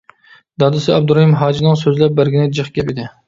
دادىسى ئابدۇرېھىم ھاجىنىڭ سۆزلەپ بەرگىنى جىق گەپ ئىدى.